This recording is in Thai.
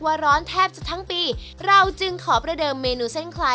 อย่างเช่นประเทศไทยที่ตั้งอยู่ในทวีปเอเชียตะวันออกเชียงใต้